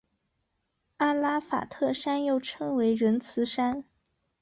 阿拉法特山又称为仁慈山。